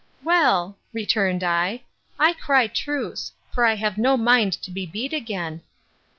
Well, returned I, I cry truce; for I have no mind to be beat again.